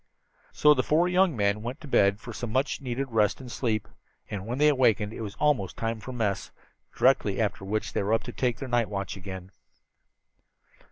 So the four young men went to bed for some much needed rest and sleep, and when they awakened it was almost time for mess directly after which they were to take up their night watch again.